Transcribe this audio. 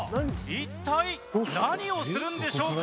一体何をするんでしょうか？